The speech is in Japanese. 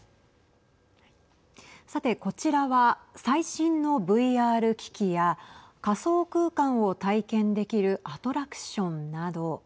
さてこちらは最新のＶＲ機器や仮想空間を体験できるアトラクションなど。